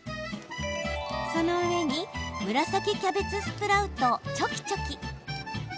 その上に紫キャベツスプラウトをチョキチョキ。